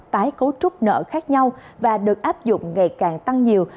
tái cấu trúc nợ khác nhau và được áp dụng ngày càng tăng nhiều